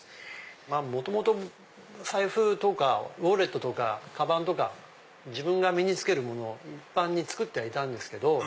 元々財布とかウオレットとかカバンとか自分が身に着けるものを一般に作ってはいたんですけど。